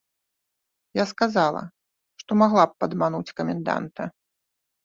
Я сказала, што магла б падмануць каменданта.